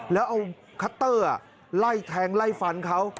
แล้วเอาคัตเตอร์ไล่แทงไล่ฟันเขา